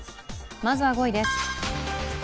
まずは５位です。